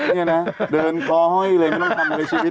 นี่นะเดินคอห้อยเลยไม่ต้องทำอะไรชีวิต